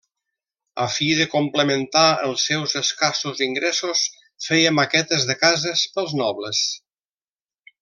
A fi de complementar els seus escassos ingressos, feia maquetes de cases pels nobles.